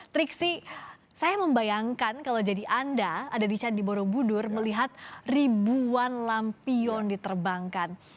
triksi saya membayangkan kalau jadi anda ada di candi borobudur melihat ribuan lampion diterbangkan